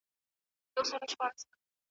یوه ورځ به یې بېغمه له غپا سو ,